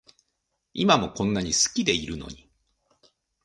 今もこんなに好きでいるのに